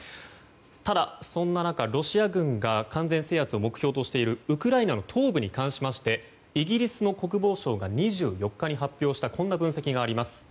ただ、そんな中ロシア軍が完全制圧を目標としているウクライナの東部に関してイギリスの国防省が２４日に発表したこんな分析があります。